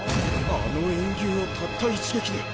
あの炎牛をたった一撃で。